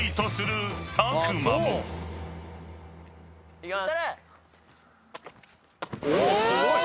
いきます。